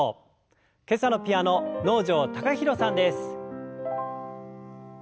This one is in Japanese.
今朝のピアノ能條貴大さんです。